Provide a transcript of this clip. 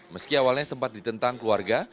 meski awalnya sempat ditentang keluarga